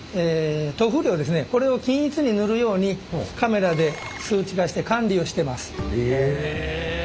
これを均一に塗るようにカメラで数値化して管理をしてます。